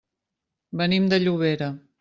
Venim de Llobera.